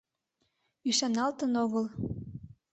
Ӱшаналтын огыл.